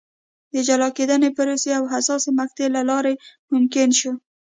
د جلا کېدنې پروسې او حساسې مقطعې له لارې ممکن شو.